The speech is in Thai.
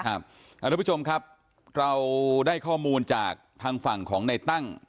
ทุกผู้ชมครับเราได้ข้อมูลจากทางฝั่งของในตั้ง